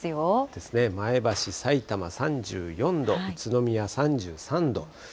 ですね、前橋、さいたま、３４度、宇都宮３３度。